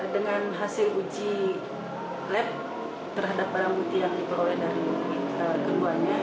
dengan hasil uji lab terhadap barang bukti yang diperoleh dari keduanya